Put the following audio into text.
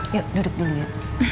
yuk duduk dulu ya